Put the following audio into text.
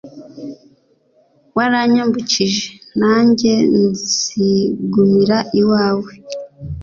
waranyambukije; nanjye nzigumira iwawe